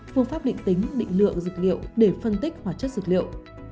phương pháp định tính định lượng dịch liệu để phân tích hóa chất dịch liệu